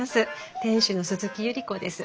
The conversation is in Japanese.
店主の鈴木百合子です。